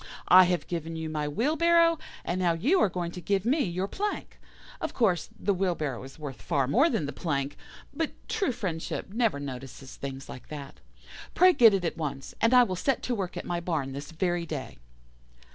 I have given you my wheelbarrow, and now you are going to give me your plank. Of course, the wheelbarrow is worth far more than the plank, but true, friendship never notices things like that. Pray get it at once, and I will set to work at my barn this very day.